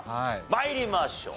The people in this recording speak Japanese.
参りましょう。